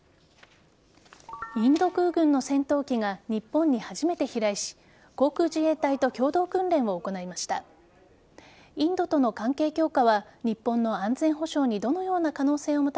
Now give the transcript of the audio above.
インド空軍の戦闘機が日本に初めて飛来し航空自衛隊と共同訓練を行いました。